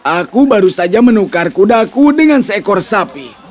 aku baru saja menukar kudaku dengan seekor sapi